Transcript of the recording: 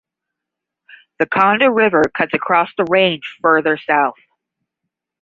The Khanda river cuts across the range further south.